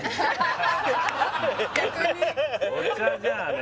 お茶じゃあね